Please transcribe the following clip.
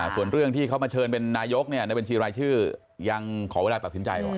ส่วนเรื่องที่เขามาเชิญเป็นนายกในบัญชีรายชื่อยังขอเวลาตัดสินใจก่อน